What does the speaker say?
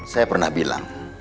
saya pernah bilang